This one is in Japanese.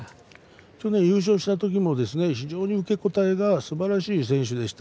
去年優勝したときにも非常に受け答えがすばらしい選手でした。